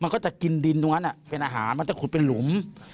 มันก็จะกินดินตรงนั้นเป็นอาหารมันจะขุดเป็นหลุม